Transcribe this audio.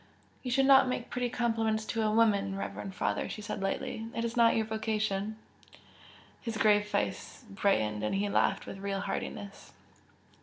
"You should not make pretty compliments to a woman, reverend father!" she said, lightly "It is not your vocation!" His grave face brightened and he laughed with real heartiness.